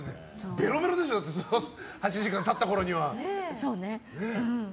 べろべろでしょう８時間経ったころには。